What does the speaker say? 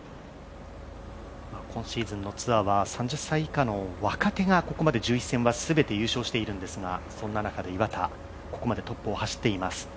今シーズンのツアーは３０歳以下の若手がここまで１１戦はすべて優勝しているんですがそんな中で岩田、ここまでトップを走っています。